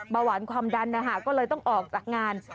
เบาหวานความดันนะคะก็เลยต้องออกจากงาน